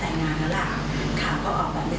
ใช้ชีวิตปกติอย่างราษอะไรอย่างนี้